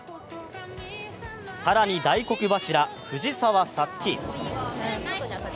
更に、大黒柱・藤澤五月。